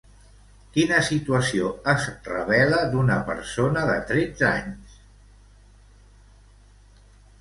Quina situació es revela d'una persona de tretze anys?